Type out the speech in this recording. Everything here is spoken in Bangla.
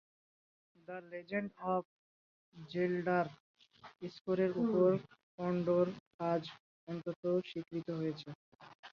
"দ্য লিজেন্ড অব জেলডা"র স্কোরের উপর কন্ডোর কাজ অত্যন্ত স্বীকৃত হয়েছে।